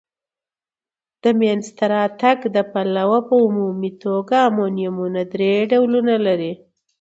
د مینځ ته راتګ د پلوه په عمومي توګه امونیمونه درې ډولونه لري.